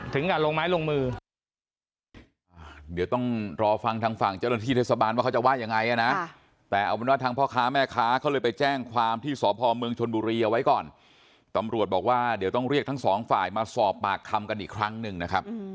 ถึงกับโรงไม้ลงมือ